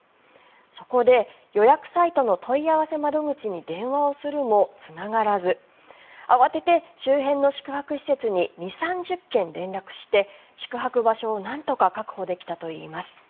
そこで予約サイトの問い合わせ窓口に電話をするもつながらず慌てて周辺の宿泊施設に２０３０軒連絡して宿泊場所をなんとか確保できたといいます。